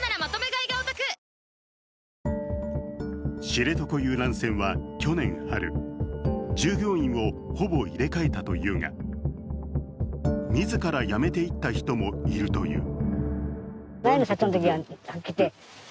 知床遊覧船は去年春、従業員をほぼ入れ替えたというが自ら辞めていった人もいるという。